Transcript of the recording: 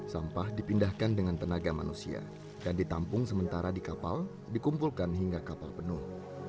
sampah dipindahkan dengan tenaga manusia dan ditampung sementara di kapal dikumpulkan hingga kapal penuh